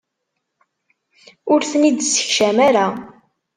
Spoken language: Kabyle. Ur ten-id-ssekcam ara.